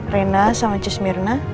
rena sama cismirna